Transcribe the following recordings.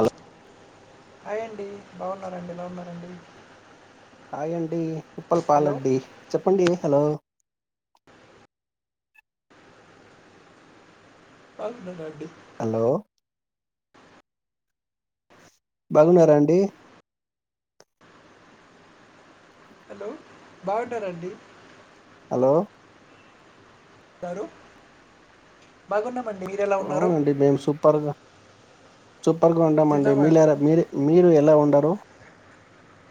Hello hi అండి బాగున్నారండి బాగున్నారండి హాయ్ అండి కుప్పల బాలండి చెప్పండి హలో అన్న అడి హలో బాగున్నారా అండి హలో బాగున్నారండి హలో తారు బాగున్నాం అవునండి మేము సూపర్ ఉన్నాం సూపర్ గా ఉంన్నా అండి మీ తిన్నామండి మీరు మీరు ఎలా ఉండరు డు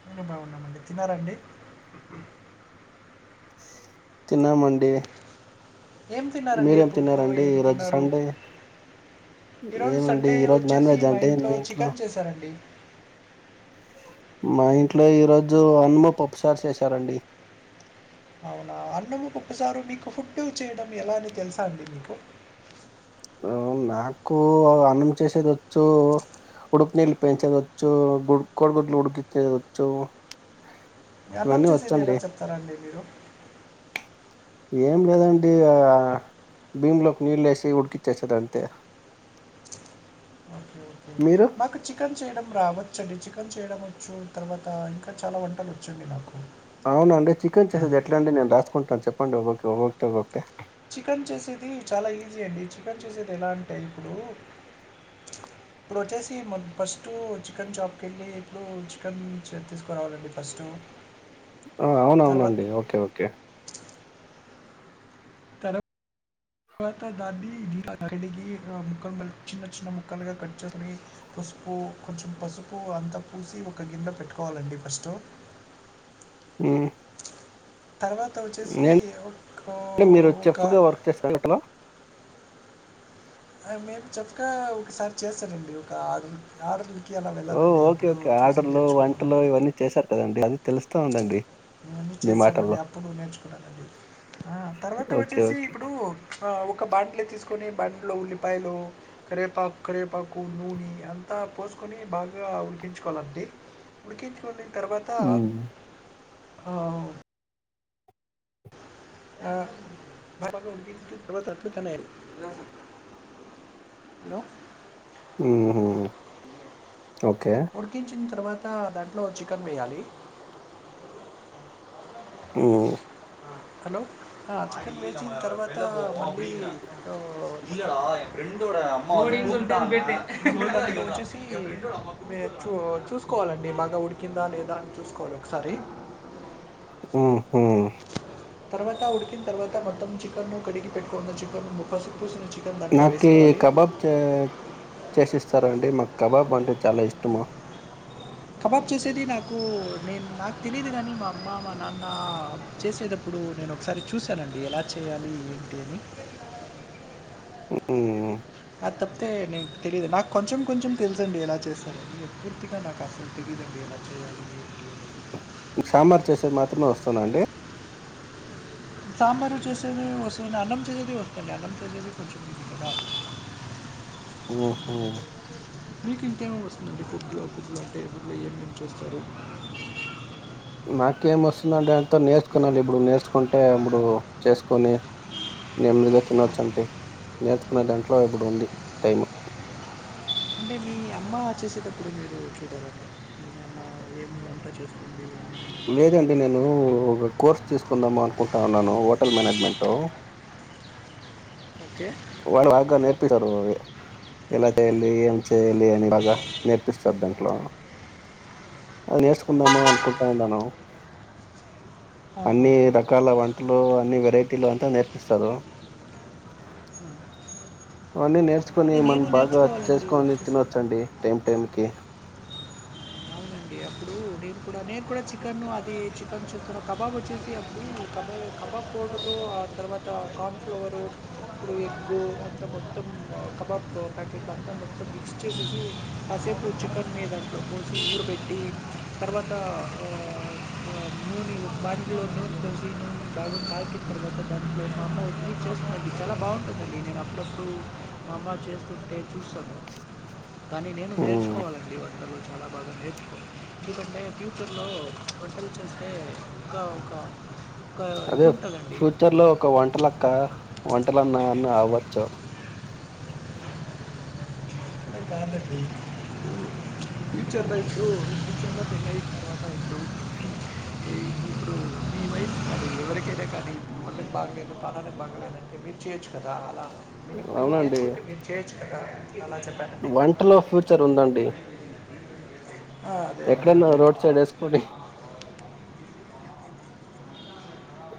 నేను బాగున్నామండి తిన్నారండి తిన్నామండి ఏం తిన్నారండి మీరేం ఫుడ్డు తిన్నారండి ఏం ఈరోజు తిన్నారు సండే ఈరోజు ఏమండి సండే ఈరోజు నాన్ వచ్చేసి వెజ్ మా అండి ఇంట్లో మీ చికెన్ చేశాారండి మా ఇంట్లో ఈరోోజు అనుమ పప్పు చారు చేసారండి అవునా అ ఒకసారు మీకు ఫుడ్ చేయడం ఎలా అని తెలుసా అండి మీకు బ్రో నాకు అన్నం చేసేది వచ్చు ఉడుకు నీళ్లు పెంచేది వచ్చు గుడు కోడి గుడ్లు ఉడికించేది వచ్చు ఈ అన్నం చేసేది ఎలా చెప్తారంండి మీరు ఏం లేదండి ఆ భీము లోకి నీళ్ళు వేసి ఉడికిచ్చేసా అంతే మీరు మాకు చికెన్ చేయడం రావచ్చండి చికెన్ చేయడం వచ్చు తర్వాత ఇంకా చాలా వంటలు వచ్చండి నాకు అవునండి చికెన్ చేసేది ఎట్లా అండి నేను రాసుకుంటా ఆ చెప్పండి ఒకోటి ఒక్కటి చికెన్ చేసేది చాలా ఈజీ అండి చికెన్ చేసేది ఎలా అంటే ఇప్పుడు ఇప్పుడు వచ్చేసి మ ఫస్ట్ చికెన్ చాప్కి వెళ్ళి ఇప్పుడు చికెన్ తీసుకురావాలండి ఫస్ట్ అవునవునండి ఓకే ఓకే తరువాత దాన్ని కడిగి ముక్కలు చిన్న చిన్న ముక్కలుగా కట్ చేసుకుని పసుపు కొంచెం పసుపు అంతా పూసి ఒక గిన్నె పెట్టుకోవాలండి ఫస్ట్ ఆ తర్వాత వచ్చేసి ఒక మీరు ఒక చెఫ్ గా వర్క్ చేస్తారు హోటల్లో మేము చెప్పగా ఒకసారి చేస్తానండి ఒక ఆర్డర్ ఆర్డర్ ఓ ఓకే ఓకే ఆర్డర్లు వంటలు ఇవన్నీ చేశారు కదండి అది తెలుస్తా ఉందండి ఇవన్నీ మీ చేసామండి మాటల్లో అప్పుడు నేర్చుకున్నానుండి ఆ తర్వాత ఓకే వచ్చేసి ఓకే ఇప్పుడు ఒక బాండ్లే తీసుకొని బాండ్లో ఉల్లిపాయలు కరవేపాకు కరివేపాకు నూనె అంతా పోసుకొని బాగా ఉడికించుకోవాలండి ఉడికించుకొని తర్వాత ఉమ్ ఆ ఆ హలో ఉమ్ ఉడికించింది తర్వాత దాంట్లో చికెన్ వేయాలి ఉమ్ హలో ఆ చికెన్ వేయించిన తర్వాత వండి వచ్చేసి చూసుకోవాలండి బాగా ఉడికిందా లేదా అని చూసుకోవాలి ఒకసారి హ్మ్ హ్మ్ తర్వాత ఉడికిన తర్వాత మొత్తం చికెన్ ను కడిగి పెట్టుకున్న చికెన్ ముక్కకు పసుపు పూసిన చికెన్ దాంట్లో నాకి వేసుకోవాలి కబాబ్ తె చేసిస్తారా అండి మాకు కబాబ్ అంటే చాలా ఇష్టము కబాబ్ చేసేది నాకు నేను నాకు తెలియదు కానీ మా అమ్మ మా నాన్న చేసేటప్పుడు నేను ఒకసారి చూశానండి ఎలా చేయాలి ఏంటి అని ఉమ్ అది తప్పితే నేన్ నేన్ నాకు తెలియదు నాకు కొంచెం కొంచెం తెలుసండి ఎలా చేస్తారు పూర్తిగా నాకు అసలు తెలీయదండి ఎలా చేయాలి మీకు సాంబార్ చేసేది మాత్రమే వస్తాదండి సాంబారు చేసేది వస్తుందా అన్నం చేసేది వస్తుంది అన్నం చేసే కూర్చుంది కదా ఉహు మీకు ఇంకేం వస్తుందండి ఇక మిగిలిన టైంలో ఏమేం చేస్తారు నాకేం వస్తుందట ఇక్కడ నేర్చుకున్న ఇప్పుడు నేర్చుకున్ అంటే ఇప్పుడు చేసుకొని నెమ్మదిగా తినొచ్చు అంటే నేర్చుకునే దాంట్లో ఇప్పుడు ఉంది టైము అంటే మీ అమ్మ చేసేటప్పుడు మీరు చూడరండి మీ అమ్మ ఏం వంట చేస్తుంది అని లేదండి నేను ఒక కోర్స్ తీసుకుందామ అనుకుంటా ఉన్నాను హోటల్ మేనేజ్మెంట్ ఓకే వాళ్ళు అడగ్గా నేర్పిస్తారు ఎలా చేయాలి ఏం చేయాలి అని బాగా నేర్పిస్తారు దాంట్లో వేసుకుందామా అనుకుంటా ఉన్నాను అన్ని రకాల వంట లు అన్ని వెరైటీలు అంతా నేర్పిస్తారు అన్ని నే తీసుకొని అదే మనం నేను బాగా నేర్చుకోవాలండి చేసుకొని వచ్చేసి తినొచ్చండి టైం టైంకి అవునండి. అప్పుడు నేను కూడా నేను కూడా చికెన్ ను అది చికెన్ చూస్తున్న కబాబ్ వచ్చేసి అప్పుడు కబ కబాబ్ పౌడరు ఆ తర్వాత కాన్ఫ్లవర్ ఇప్పుడు ఎగ్గు అట్లా మొత్తం కబాబ్ ప్యాకెట్లు అంతా మొత్తం మిక్స్ చేసేసి కాసేపు చికెన్ నీ దాంట్లో పోసి ఊరు పెట్టి ఈ తర్వాత నూనె బాండీలో పోసి నూనె కాగిన తర్వాత దాంలో మా అమ్మ వచ్చి చేస్తుందండి చాలా బాగుంటుందండి నేను అప్పుడప్పుడు మా అమ్మ చేస్తుంటే చూస్తాను కానీ నేను ఉమ్ నేర్చుకోవాలండి వ ఆ చాలా బాగా నేర్చు ఎందుకంటే ఫ్యూచర్లో వంటలు చేస్తే ఇంకా ఒక ఒక ఇది అదే ఉంటుందండి ఫ్యూచర్ లో ఒక వంటలక్క వంటలన్నా అన్నా అవ్వచూ కాదండి ఫ్యూచర్లో ఇప్పుడు ఫూచర్ తినయి తర్వాత ఇప్పుడు ఈ ఇప్పుడు మీ వైఫ కాది ఎవరికైనా కానీ వాంటకి బాగలేదు ప్రదానికి బాగలేదుంటే మీరు చేయొచ్చు కదా అలా [inaudible] [unintelligible] అవునండి నేర్చుకుంటే మీరు చేయొచ్చు కదా అలా చెప్పానండి వంటలో ఫ్యూచర్ ఉందండి ఆ, అదే అండి ఎక్కడన్నా అదే రోడ్ సైడ్ వేసుకొని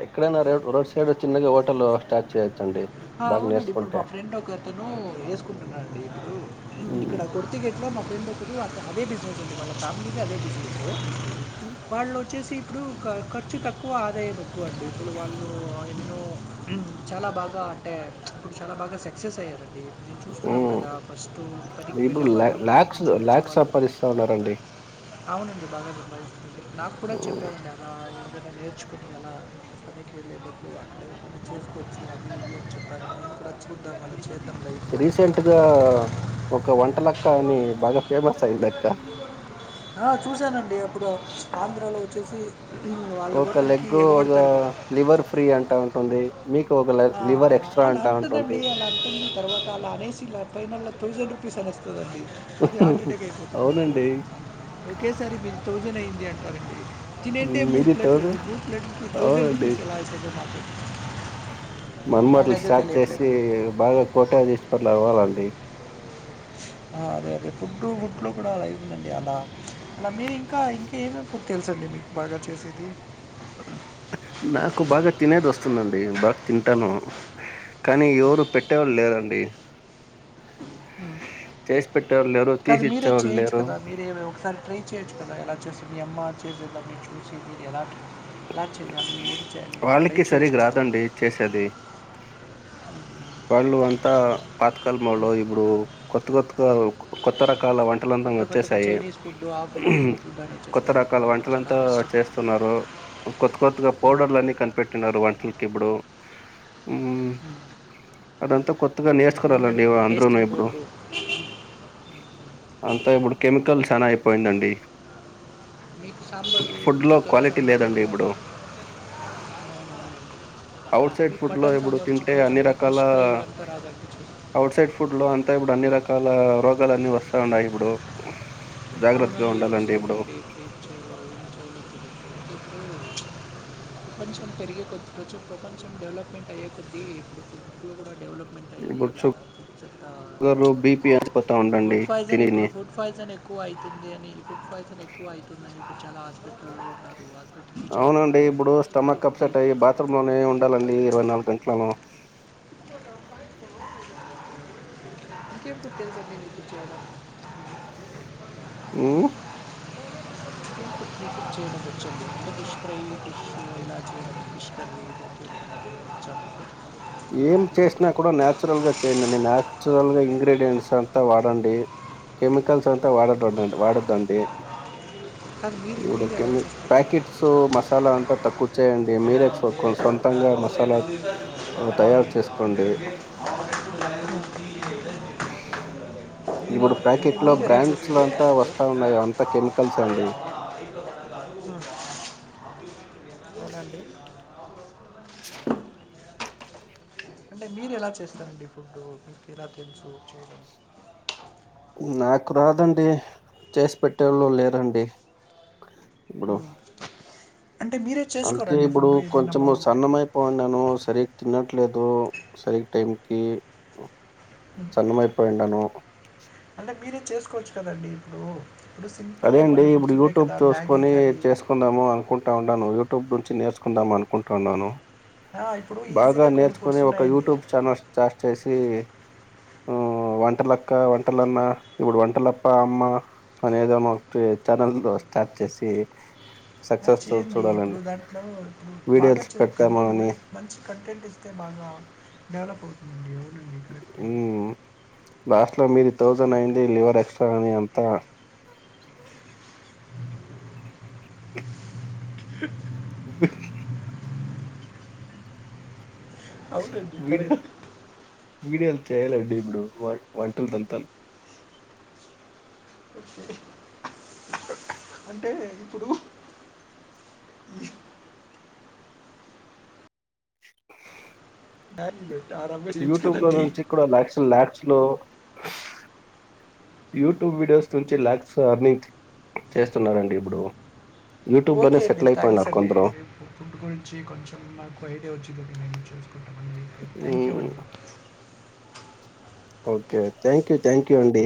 ఎక్కడనా ర రోడ్ సైడ్ చిన్నగా హోటల్ స్టార్ట్ చేది అవునండి ఇప్పుడు మా ఫ్రెండ్ ఒక అతను వేసుకుంటున్నా అండి ఇప్పుడు ఉమ్ ఇక్కడ గుర్తు గెట్లా ఫ్రెండ్ ఒక్కడు అదే బినెస్ ఉంది వాళ్ళ ఫ్యామిలీ అదే బజినెస్సు వాళ్ళు వచేసి ఇప్పుడు ఖర్చు తక్కువ ఆదాయం ఎక్కువ అండి ఇప్పుడు వాళ్ళు ఎన్నో చాలా బాగా అంటే ఇప్పుడు చాలా బాగా సక్సెస్ అయ్యారండి నేను చూస్తున్నాం ఉమ్. కదా ఫస్ట్ పనికి ఇప్పుడు వెళ్ళేవాళ్ళు పని లాక్స్ నుంచి లాక్స్ ఉంచేవాళ్ళు సంపాదిస్తా ఉన్నారండి అవునండి బాగా [unintelligible] నాకు కూడా ఉమ్. చెప్పానండి అలా ఇలా నేర్చుకుంటున్నాన పనికి వెళ్లేటపుడు అంటే చేసుకోవచ్చిన [unintelligible] చూద్దాం అని రీసెంట్గా ఒక వంటలక్క అని బాగా ఫేమస్ అయ్యింది అక్క ఆ! చూశానండి. అప్పుడు ఆంధ్రాలో వచ్చేసి వాళ్ళ ఒక హోటల్‌కి లెగ్ ఒక ఎగబడతారు కదా! లివర్ ఫ్రీ అంటా ఉంటుంది మీకు ఒక ఆ లివర్ ఎక్స్ట్రా అలా అంటా అంటదండి ఉంటుంది అలా అంటుంది తర్వాత అలా అనేసిలా ఫైనల్ లో థౌసండ్ రూపీస్ అనేస్తా ండి అది హార్ట్ అటాక్ అయిపోతుంది నాకు అవునండి ఒకేసారి మీ థౌజండ్ అయి ఎక్కడికి తినంటే ఉమ్, మూడు మీది ప్లేట్లు థౌసండ్ ప్లేట్లు ప్లథౌసండ్ అవునండి రుపీస్ ఎలా మాకు మనమాటలు స్టార్ట్ చేసి తెలియట్లేదు బాగా కోటగా తీసుకుట్లా అవ్వాల నే అదే అదే ఫుడ్ ఫుడ్లో కూడా అలా అవుతుందండి. అలా అలా మీరు ఇంకా ఇంకా ఏమే ఫుడ్ తెలుసండి మీకు బాగా చేసేది. నాకు బాగా తినేది వస్తుందండి బాగా తింటాను. కానీ ఎవరు పెట్టేవాళ్ళు లేదండి లేరు కదా తీసి మీరే ఇచ్చేవాళ్ళు చేయొచ్చు లేరు కదా మీరే ఒకసారి ట్రై చేయొచ్చు కదా ఇలా చేసు యమ్మా చేజేతాన్ని చూసి తీరి ఎలా ఎలా చేయాలి ఏం చేయాలి ట్రై వాళ్ళకి చేయొచ్చు సరిగా కదా రాదండి చేసేది వాళ్ళు అంతా పాత కాలంలో ఇప్పుడు కొత్త కొతుక కొత్త ర రకాల వంటలుంతా కొత్త కొత్తగా వచ్చేసాయి. చైనీస్ ఫుడ్ ఆ ఫుడ్ ఈ ఉహు ఫుడ్ అని కొత్త వచ్చేసేది రకాల ఇప్పుడు చాలా వంటలంతా కష్టం చేస్తున్నారు కొత కొత్తగా ఉమ్, పౌడర్లు అన్నీ కనిపెట్టినన్నారు వంటలకి ఇప్పుడు ఉ ఉమ్. అదంతా కొత్తగా అవునండి నేర్చుకురాలండి ఇప్పుడు అంద్రూను టేస్టింగ్ ఇప్పుడు పౌడరు అంతా ఇప్పుడు కెమికల్స్ చాలయిపో పోయిందండి మీకు సాంబారు చికెన్ క్వాలిటీ సాంబార్ లేదండి ఇలా ఇప్పుడు అవుట్ సైడ్ మీకు ఫుడ్ లో మటన్ ఇప్పుడు సాంబార్ తింటే చికెన్ అన్ని సాంబార్ రకాల ఫిష్ ఫ్రై ఇవంతా రాదండి చూడు అవుట్ సైడ్ ఫుడ్ లో అంతా ఇప్పుడు అన్ని రకాల రకాల రోగాలున్నీ వస్తా ఉన్నాయి ఇప్పుడు జాగ్రత్తగా అవునండి ఉండాలండి వసా ఇప్పుడు అండి చ ప్రపంచం పెరిగే కొద్ది రచ్చు ప్రపంచం డెవలప్మెంట్ అయ్యే కొద్ద్దీ ఇప్పుడు డెవలప్మెంట్ అయ్యి ఇప్పుడు ఇలా ఫుడ్ చెత్త షగర్ బిపి అయిపోతా ఉండండి ఫుడ్ పాయిజన్ తిినని ఇప్పుడు ఫుడ్ పాయిజన్ ఎక్కువ అవుతుంది అనివ అయి ఎక్కువ అవుతుందిని తాజ పెట్టట్టతో బ బట్టి అవునండి చేరుకుడాాల ఇప్పుడు స్టమక్ చాలామంది అప్సెట్ అయ్యి బాత్రూమ్ లోనే ఉండాలండి ఇరవై నాలుగు గంటలను కేే పుట్టే క నికుుజాల ఊ పష్ ప్రే [unintelligible] ఏం చేసినా కూడా నాచురల్ గా చేయండి నాచురల్ గా ఇంగ్రీడియంట్స్ అంతా వాడండి కెమికల్స్ అంతా వాడ వాడద్దండి కానీ మీరు ఇప్పుడు మీరు ఎలా చేస్తారు ప్యాకెట్స్ మసాలా అంతా తక్కువచ్చాయండి మీరెక్స్ సొంతంగా మసాలా తయారు అంటే మీరు చేసుకోండి ఇప్పుడు ప్యాకెట్ లో ఎలా బ్రాండ్స్ చేస్తారు లో అంతా వస్తా ఉన్నాయో అంతా కెమికల్స్ అండి హు అవునండి అంటే మీరు ఎలా చేస్తారండి ఫుడ్డు, మీకు ఎలా తెలుసు చేయడం. నాకు రాదండి చేసి పెట్టేళ్ళు లేరండి ఇప్పుడు హ్మ్ అందుకే ఇప్పుడు కొంచెం బాగుంటే సన్నం అయిపోయను సరిగ్గా తినట్లేదు సరిగ్ టైం కి సన్నమైపోయిండను అంటే మీరే చేసుకోవచ్చు కదండి ఇప్పుడు ఇప్పుడు అదే సింపుల్‌గా అండి కొన్ని ఇప్పుడు ఫుడ్స్ ఉంటాయి యూట్యూబ్ కదా! మ్యాగీ చూసుకొని కానీ చేసుకుందాము అనుకుంటా ఉన్నాను. యూట్యూబ్ నుంచి నేర్చుకుందాం అన్ కుంటన్నాను ఆ! ఇప్పుడు బాగా ఈజీగా కొన్ని ఫుడ్స్ నేర్చుకోని ఒక ఉన్నాయండి. యూట్యూబ్ ఛానల్ స్టార్ట్ చేసి హ్మ్ ఆ వంటలక్క వంటలన్న ఇప్పుడు వంటలప్ప అమ్మ అనేది అదే మట్టి ఛానల్ స్టార్ట్ చేసి అది సక్సెస్ చూ చేయండి ఇప్పుడు చూడాలండి దాంట్లో ఇప్పుడు బాగా వీడియోస్ పెడతాము కంటెంట్ అని ఒళే మంచి కంటెంట్ ఇస్తే బాగా డెవలప్ అవుతుందండి అవునండి. కరెక్టే. మ్మ్ లాస్ట్ లో మీది థౌజండ్ కరెక్టే. అయింది లివర్ ఎక్స్ట్రా అని అంతా అవునండి వీడియో కరెక్ట్ వీడియోలు చేయాలండి ఇప్పుడు వన్ వంటల్దంత ఒకే అంటే ఇప్పుడు హ్మ్ డార్లింగే యూట్యూబ్ లో నుంచి కూడా లైక్స్ ల్యాక్ష్ లో యూట్యూబ్ వీడియోస్ నుంచి ల్యాక్స్ లో అని చేస్తున్నరండి ఇప్పుడు యూట్యూబ్ లోనే ఓకే అండి సెటిల్ థ్యాంక్స్ అయిపోయినారు అండి కొందరు ఫుడ్ గురించి కొంచెం నాకు ఐడియా వచ్చి [inaudible] థ్యాంక్ యూ మ్మ్ అండి okay thank you thank you అండి